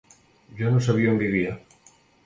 Jo no sabia on vivia.